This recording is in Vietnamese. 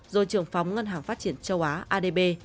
rồi trưởng phóng ngân hàng phát triển châu á adb